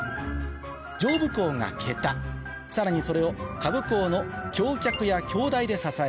上部工が桁さらにそれを下部工の橋脚や橋台で支えます